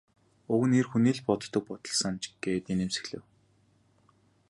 Уг нь эр хүний л боддог бодол санж гээд инээмсэглэв.